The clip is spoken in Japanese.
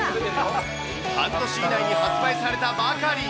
半年以内に発売されたばかり。